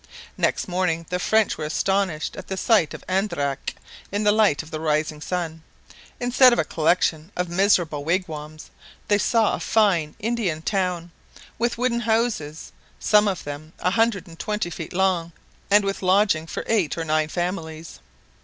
Next morning the French were astonished at the sight of Andaraque in the light of the rising sun. instead of a collection of miserable wigwams, they saw a fine Indian town, with wooden houses, some of them a hundred and twenty feet long and with lodging for eight or nine families.